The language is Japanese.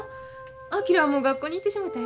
昭はもう学校に行ってしもたよ。